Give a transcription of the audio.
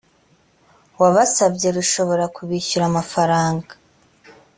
wabasabye rushobora kubishyura amafaranga